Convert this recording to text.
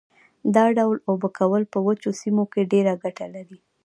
دا ډول اوبه کول په وچو سیمو کې ډېره ګټه لري.